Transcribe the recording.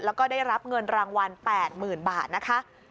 แล้วก็ได้รับเงินรางวัล๘๐๐๐บาทนะคะ